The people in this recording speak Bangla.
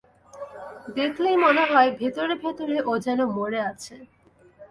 দেখলেই মনে হয় ভেতরে ভেতরে ও যেন মরে আছে।